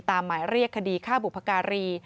ตามหมายเรียกคดีฆ่าบุปกรี